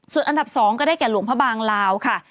ส่วนอันดับ๒ก็ได้แก่หลวงพระบางลาวค่ะ